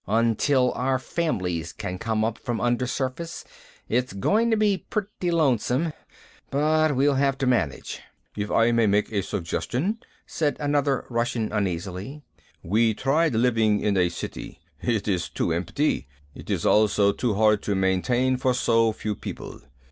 "Until our families can come up from undersurface, it's going to be pretty lonesome, but we'll have to manage." "If I may make a suggestion," said another Russian uneasily. "We tried living in a city. It is too empty. It is also too hard to maintain for so few people.